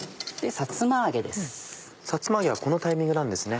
さつま揚げはこのタイミングなんですね。